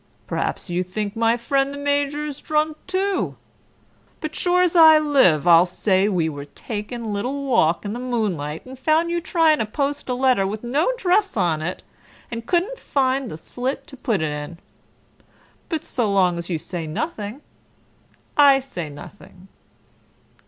Perhaps you think my fren' the Major's drunk too. But sure's I live, I'll say we were taking lil' walk in the moonlight and found you trying to post a letter with no 'dress on it, and couldn't find the slit to put it in. But 'slong as you say nothing, I say nothing.